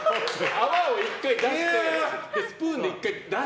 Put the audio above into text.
泡を１回出している！